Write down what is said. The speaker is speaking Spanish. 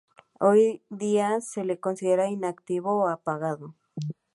Hoy día se le considera inactivo o apagado.